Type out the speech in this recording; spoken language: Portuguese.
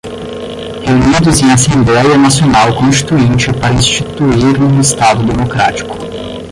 reunidos em Assembleia Nacional Constituinte para instituir um Estado Democrático